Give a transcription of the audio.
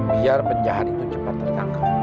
biar penjahat itu cepat tertangkap